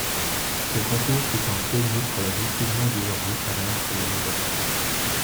Ce concours fut un pionnier pour la diffusion du genre littéraire qu'est la nouvelle.